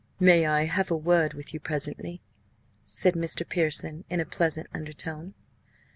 "May I have a word with you presently?" said Mr. Pearson, in a pleasant undertone.